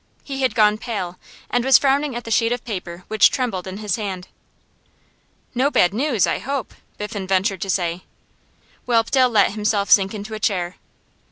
He had gone pale, and was frowning at the sheet of paper which trembled in his hand. 'No bad news, I hope?' Biffen ventured to say. Whelpdale let himself sink into a chair.